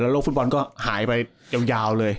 โลกฟุตบอลก็หายไปยาวเลย